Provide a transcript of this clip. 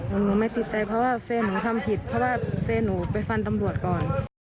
วงงงไม่ติดใจเพราะเซหนูทำผิดเพราะเซหนูไปฟันตำรวจก่อน